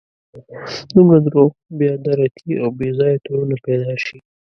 دومره دروغ، بې عدالتي او بې ځایه تورونه پیدا شي.